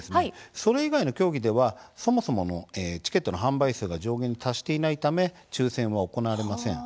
それ以外の競技ではそもそものチケットの販売数が上限に達していないため抽せんが行われません。